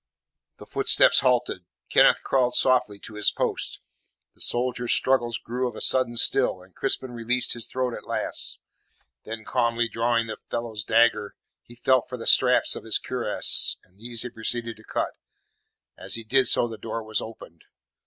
The footsteps halted. Kenneth crawled softly to his post. The soldier's struggles grew of a sudden still, and Crispin released his throat at last. Then calmly drawing the fellow's dagger, he felt for the straps of his cuirass, and these he proceeded to cut. As he did so the door was opened.